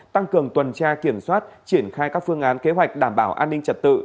tăng cường tuần tra kiểm soát triển khai các phương án kế hoạch đảm bảo an ninh trật tự